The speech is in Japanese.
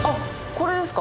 これですか？